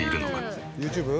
あっＹｏｕＴｕｂｅ？